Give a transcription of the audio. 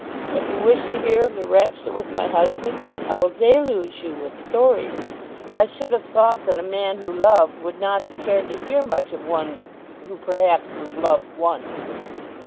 If you wish to hear of the wretch that was my husband, I will deluge you with stories. I should have thought that a man who loved would not have cared to hear much of one who perhaps was loved once."